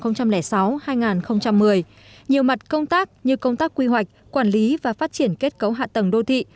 nhiều mặt công tác như công tác quy hoạch quản lý và phát triển kết cấu hạ tầng đô thị